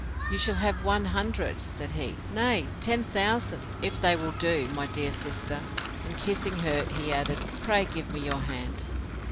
—You shall have one hundred, said he, nay, ten thousand, if they will do, my dear sister. And, kissing her, he added, Pray give me your hand.